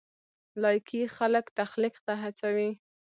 لایکي خلک تخلیق ته هڅوي.